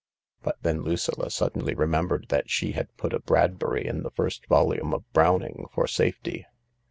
But then Lucilla suddenly remembered that she had put a Bradbury in the first volume of Browning for safety.